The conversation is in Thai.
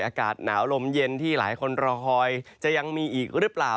อากาศหนาวลมเย็นที่หลายคนรอคอยจะยังมีอีกหรือเปล่า